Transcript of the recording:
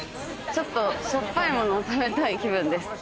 ちょっとしょっぱいものを食べたい気分です。